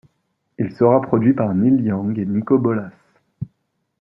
Il sera produit par Neil Young et Niko Bolas.